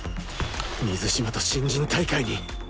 水嶋と新人大会に